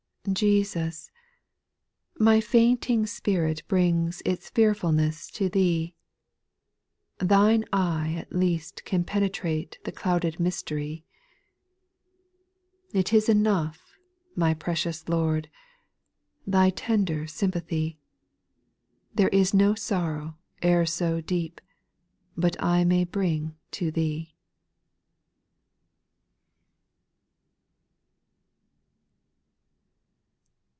Jesus, my fainting spirit brings Its fearfulness to Thee ; Thine eye at least can penetrate The clouded mystery. 5. It is enough, my precious Lord, Thy tender sympathy ! There is no sorrow e'er so deep, But I may bring to Thee.